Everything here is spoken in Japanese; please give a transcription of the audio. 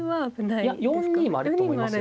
いや４二もあると思いますよ。